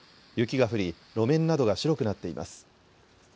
雪が降り路面などが白くなっています。